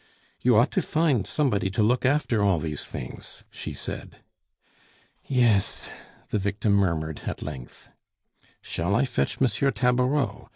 "You ought to find somebody to look after all these things," she said. "Yes " the victim murmured at length. "Shall I fetch M. Tabareau?